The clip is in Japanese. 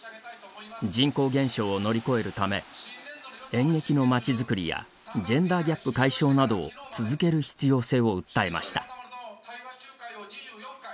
人口減少を乗り越えるため演劇のまちづくりやジェンダーギャップ解消などを続ける必要性を訴えました。